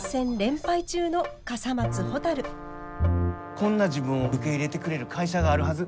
こんな自分を受け入れてくれる会社があるはず